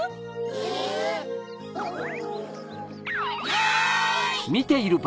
はい！